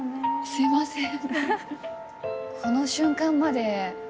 すいません。